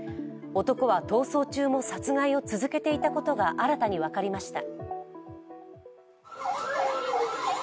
男は逃走中も殺害を続けていたことが新たに分かりました。